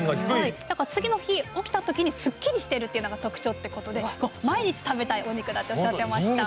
だから次の日起きた時にすっきりしてるっていうのが特徴っていうことで毎日食べたいお肉だとおっしゃってました。